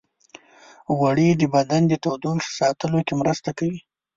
غوړې د بدن د تودوخې ساتلو کې مرسته کوي.